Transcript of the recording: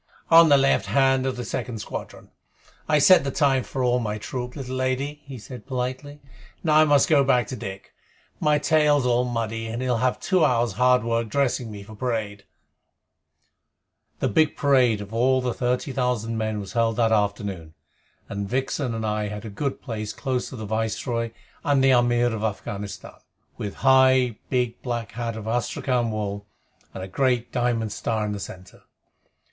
"On the left hand of the second squadron. I set the time for all my troop, little lady," he said politely. "Now I must go back to Dick. My tail's all muddy, and he'll have two hours' hard work dressing me for parade." The big parade of all the thirty thousand men was held that afternoon, and Vixen and I had a good place close to the Viceroy and the Amir of Afghanistan, with high, big black hat of astrakhan wool and the great diamond star in the center.